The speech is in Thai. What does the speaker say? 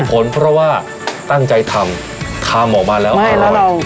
ผลเพราะว่าตั้งใจทำทำออกมาแล้วอร่อยไม่แล้วเรา